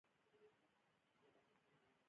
زړه هیڅکله ستړی نه کېږي.